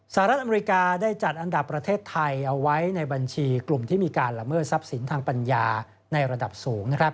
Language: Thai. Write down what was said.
สหรัฐอเมริกาได้จัดอันดับประเทศไทยเอาไว้ในบัญชีกลุ่มที่มีการละเมิดทรัพย์สินทางปัญญาในระดับสูง